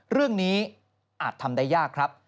เรื่องนี้อาจทำได้ยากครับ